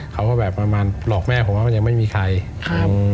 เขาก็แบบประมาณหลอกแม่ผมว่ามันยังไม่มีใครครับ